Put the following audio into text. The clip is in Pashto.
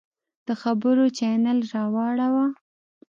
د خبرونو چاینل راواړوه!